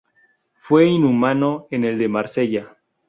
Fue inhumado en el de Marsella.